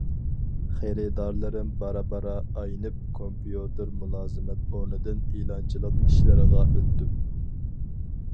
خېرىدارلىرىم بارا-بارا ئاينىپ كومپيۇتېر مۇلازىمەت ئورنىدىن ئېلانچىلىق ئىشلىرىغا ئۆتتۈم.